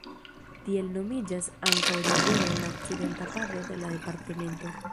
Tiel nomiĝas ankaŭ rivero en la okcidenta parto de la departemento.